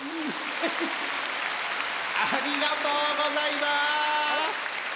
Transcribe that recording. ありがとうございます！